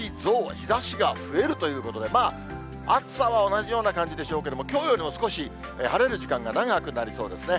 日ざしが増えるということで、暑さは同じような感じでしょうけれども、きょうよりも少し、晴れる時間が長くなりそうですね。